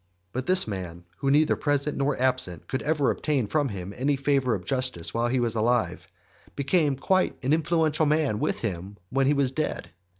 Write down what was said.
But this man, who neither present nor absent could ever obtain from him any favour or justice while he was alive, became quite an influential man with him when he was dead.